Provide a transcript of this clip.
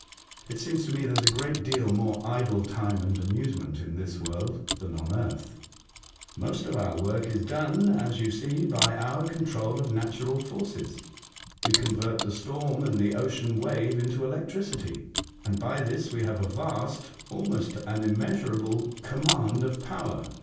"It seems to me there is a great deal more idle time and amuse ment in this world than on earth." " Most of our work is done, as you see, by our control of natural forces. We convert the storm and the ocean wave into electricity, and by this we have a vast — almost an immeasurable — command of power.